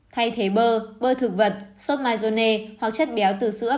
thay thế bơ bơ thực vật sốt mazone hoặc chất béo từ sữa